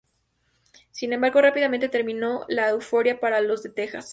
Sin embargo, rápidamente terminó la euforia para los de Texas.